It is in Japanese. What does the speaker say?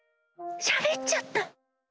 しゃべっちゃった！